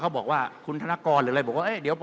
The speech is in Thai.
เขาบอกว่าคุณธนกรหรืออะไร